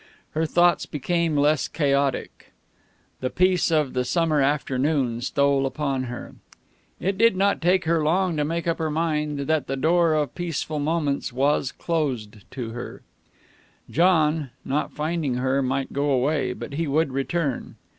Her thoughts became less chaotic. The peace of the summer afternoon stole upon her. It did not take her long to make up her mind that the door of Peaceful Moments was closed to her. John, not finding her, might go away, but he would return.